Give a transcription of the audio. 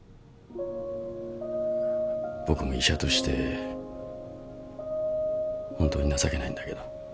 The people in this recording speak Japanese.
僕も医者として本当に情けないんだけど。